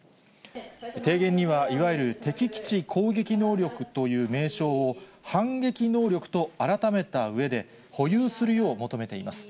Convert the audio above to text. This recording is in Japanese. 提言には、いわゆる敵基地攻撃能力という名称を、反撃能力と改めたうえで、保有するよう求めています。